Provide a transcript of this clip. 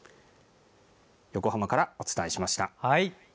横浜からお伝えしました。